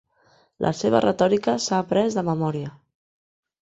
La seva retòrica s'ha après de memòria.